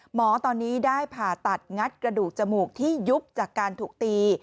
หมอตอนนี้ได้ผ่าตัดงัดกระดูกจมูกที่ยุบจากการถูกตี